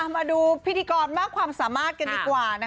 มาดูพิธีกรมากความสามารถกันดีกว่า